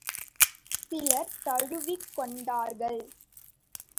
சிலர் தழுவிக் கொண்டார்கள்.